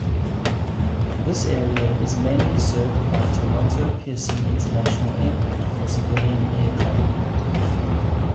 This area is mainly served by Toronto Pearson International Airport for civilian air travel.